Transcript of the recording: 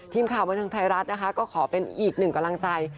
ทีมข่าวบันเทิงไทยรัฐนะคะก็ขอเป็นอีกหนึ่งกำลังใจ